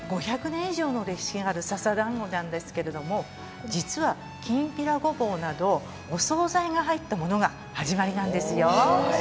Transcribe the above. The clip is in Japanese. ５００年以上の歴史があるささだんごなんですが実はきんぴらごぼうなどお総菜が入ったものが始まりなんですよ。